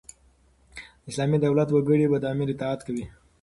د اسلامي دولت وګړي به د امیر اطاعت کوي.